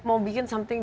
mau bikin something